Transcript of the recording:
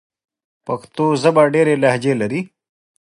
پښتو ژبه ډېري لهجې لري.